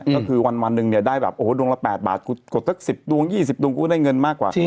ก็คือวันหนึ่งเนี่ยได้แบบโอ้โหดวงละ๘บาทกูกดสัก๑๐ดวง๒๐ดวงกูได้เงินมากกว่า